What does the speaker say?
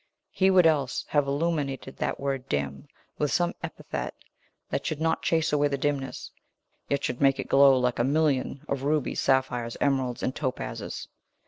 He would else have illuminated that word 'dim' with some epithet that should not chase away the dimness, yet should make it glow like a million of rubies, sapphires, emeralds, and topazes.